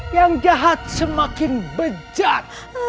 yang jahat semakin bejat